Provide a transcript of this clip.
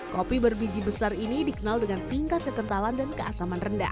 kopi berbiji besar ini dikenal dengan tingkat kekentalan dan keasaman rendah